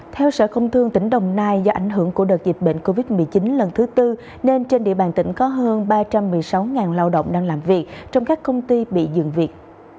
theo sở công thương tỉnh đồng nai do ảnh hưởng của đợt dịch bệnh covid một mươi chín lần thứ tư nên trên địa bàn tỉnh có hơn ba trăm một mươi sáu lao động đang làm việc trong các công ty bị dừng việc